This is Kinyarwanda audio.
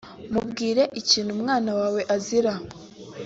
Mubwire ikintu umwana wanjye azira